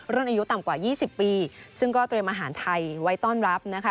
รุ่นอายุต่ำกว่า๒๐ปีซึ่งก็เตรียมอาหารไทยไว้ต้อนรับนะคะ